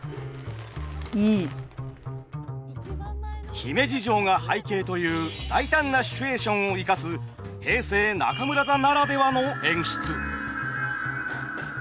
姫路城が背景という大胆なシチュエーションを生かす平成中村座ならではの演出。